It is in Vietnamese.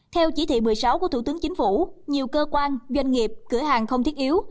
theo chỉ thị một mươi sáu của thủ tướng chính phủ nhiều cơ quan doanh nghiệp cửa hàng không thiết yếu